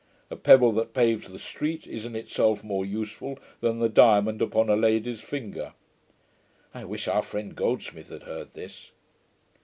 A pebble that paves the street is in itself more useful than the diamond upon a lady's finger.' I wish our friend Goldsmith had heard this.